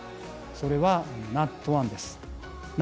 それはＮＡＴ１です。